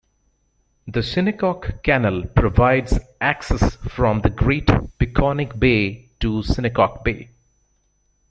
The Shinnecock Canal provides access from the Great Peconic Bay to Shinnecock Bay.